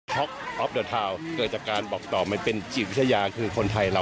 ท็อคออปเดอทาวน์เกิดจากการบอกตอบมันเป็นจิตวิชาญาคือคนไทยค่ะ